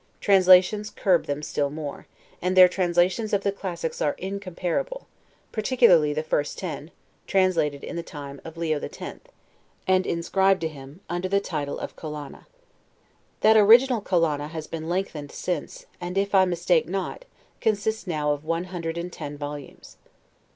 Translations curb them still more: and their translations of the classics are incomparable; particularly the first ten, translated in the time of Leo the Tenth, and inscribed to him, under the title of Collana. That original Collana has been lengthened since; and if I mistake not, consist now of one hundred and ten volumes.